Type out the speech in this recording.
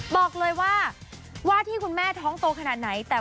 บอกเลยว่าว่าที่คุณแม่ท้องโตขนาดไหน